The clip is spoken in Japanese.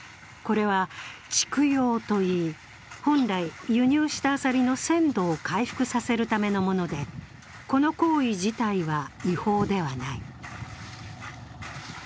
これは蓄養といい、本来、輸入したアサリの鮮度を回復させるためのもので、この行為自体は違法ではない。